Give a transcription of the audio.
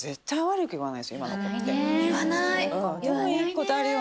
言わない。